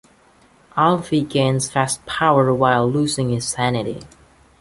Alfie gains vast power, while losing his sanity.